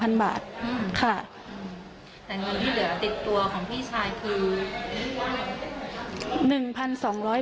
แต่เงินที่เหลือติดตัวของพี่ชายคือ